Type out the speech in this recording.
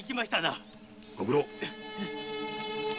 ご苦労。